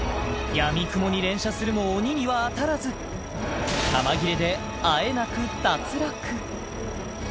やみくもに連射するも鬼には当たらず弾切れであえなく脱落